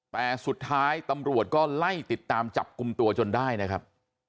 แต่สุดท้ายตำรวจก็ไล่ติดตามจับกลุ่มตัวจนได้นะครับ